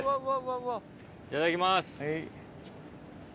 いただきます。